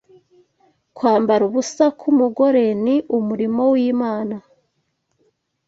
Kwambara ubusa k'umugore ni umurimo w'Imana